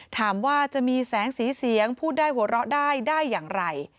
ถามว่าจะมีแสงสีเสียงพูดได้หัวเราะได้ได้อย่างไร